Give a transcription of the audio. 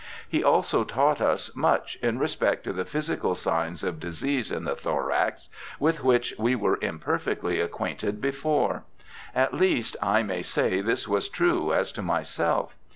He also taught us much in respect to the physical signs of disease in the thorax, with which we were imperfectly acquainted before ; at least I may say this was true as to myself.